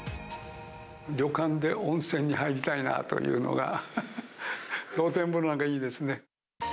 旅館で温泉に入りたいなというのが、露天風呂なんかいいですね。